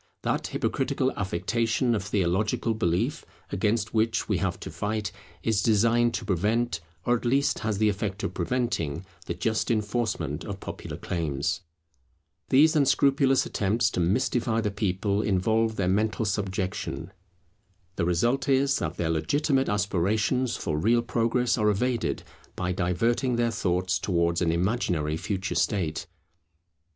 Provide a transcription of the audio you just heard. That hypocritical affectation of theological belief against which we have to fight, is designed to prevent, or at least has the effect of preventing, the just enforcement of popular claims. These unscrupulous attempts to mystify the people involve their mental subjection. The result is, that their legitimate aspirations for real progress are evaded, by diverting their thoughts towards an imaginary future state.